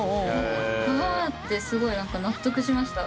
ああってすごい何か納得しました。